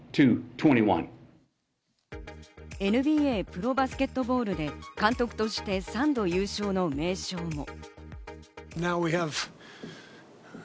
ＮＢＡプロバスケットボールで監督として３度優勝の名将も。